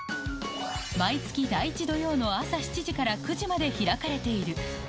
毎月第１土曜の朝７時から９時まで開かれている。